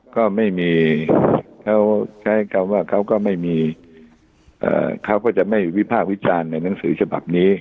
ก็จะไม่มีวิภาควิจารณ์ในหนังสือฉบับนี้